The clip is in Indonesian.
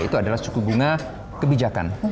itu adalah suku bunga kebijakan